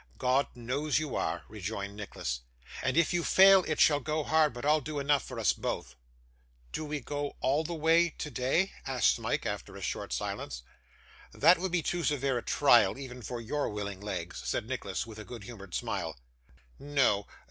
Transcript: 'God knows you are,' rejoined Nicholas; 'and if you fail, it shall go hard but I'll do enough for us both.' 'Do we go all the way today?' asked Smike, after a short silence. 'That would be too severe a trial, even for your willing legs,' said Nicholas, with a good humoured smile. 'No.